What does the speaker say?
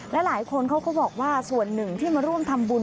และหลายคนเขาก็บอกว่าส่วนหนึ่งที่มาร่วมทำบุญ